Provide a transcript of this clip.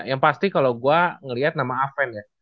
yang pasti kalau gue ngeliat nama aven ya